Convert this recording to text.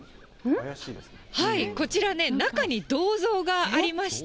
こちら、中に銅像がありまして？